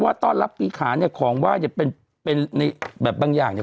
ว่าต้อนรับริขานเนยของใบบางอย่างเนี่ย